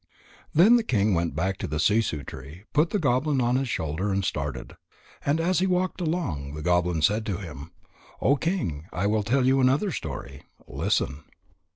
_ Then the king went back to the sissoo tree, put the goblin on his shoulder, and started. And as he walked along, the goblin said to him: "O King, I will tell you another story. Listen."